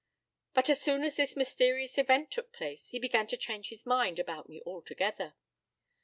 But as soon as this mysterious event took place, he began to change his mind about me altogether.